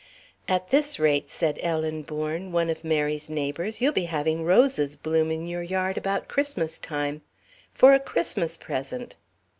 "At this rate," said Ellen Bourne, one of Mary's neighbours, "you'll be having roses bloom in your yard about Christmas time. For a Christmas present."